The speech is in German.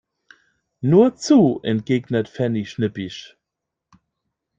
Nur zu, entgegnet Fanny schnippisch.